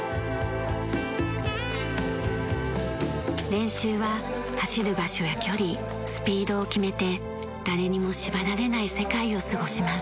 練習は走る場所や距離スピードを決めて誰にも縛られない世界を過ごします。